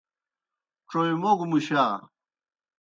ڇوئےموگوْ مُشا۔